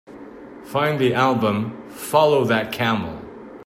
Find the album Follow That Camel